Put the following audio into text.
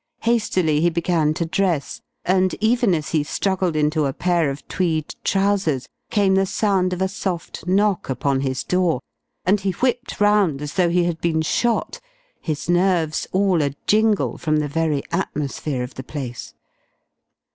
Hastily he began to dress, and even as he struggled into a pair of tweed trousers came the sound of a soft knock upon his door, and he whipped round as though he had been shot, his nerves all a jingle from the very atmosphere of the place.